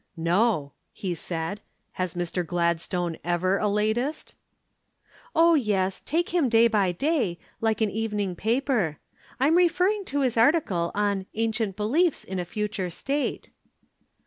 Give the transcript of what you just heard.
"No," he said; "has Mr. Gladstone ever a latest?" "Oh, yes, take him day by day, like an evening paper. I'm referring to his article on 'Ancient Beliefs in a Future State.'"